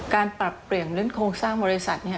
ปรับเปลี่ยนเรื่องโครงสร้างบริษัท